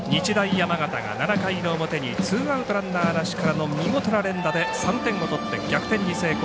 山形が７回の表にツーアウト、ランナーなしからの見事な連打で３点を取って逆転に成功。